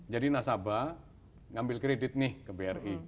jadi nasabah ngambil kredit nih ke bri